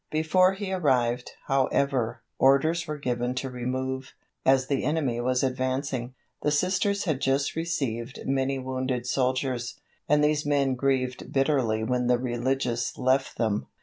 Before he arrived, however, orders were given to remove, as the enemy was advancing. The Sisters had just received many wounded soldiers, and these men grieved bitterly when the religious left them.